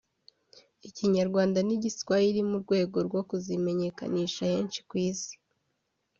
Ikinyarwanda n’Igiswahili mu rwego rwo kuzimenyekanisha henshi ku isi